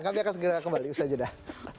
kami akan segera kembali usah aja dah